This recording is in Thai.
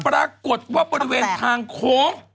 ปรากฏว่าบริเวณทางโค้ง